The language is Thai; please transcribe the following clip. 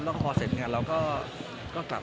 แล้วก็พอเสร็จงานเราก็กลับ